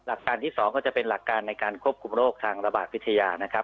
การที่๒ก็จะเป็นหลักการในการควบคุมโรคทางระบาดวิทยานะครับ